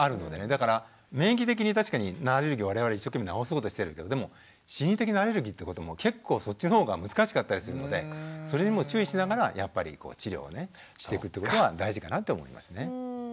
だから免疫的に確かにアレルギーを我々一生懸命治そうとしてるけどでも心理的なアレルギーってことも結構そっちの方が難しかったりするのでそれにも注意しながらやっぱりこう治療をねしていくっていうことは大事かなって思いますね。